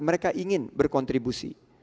mereka ingin berkontribusi